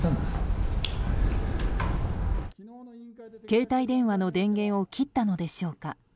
携帯電話の電源を切ったのでしょうか。